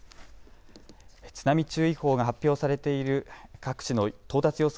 津波注意報が発表されている各地の到達予想